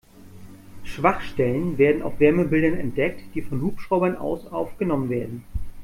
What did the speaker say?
Schwachstellen werden auf Wärmebildern entdeckt, die von Hubschraubern aus aufgenommen werden.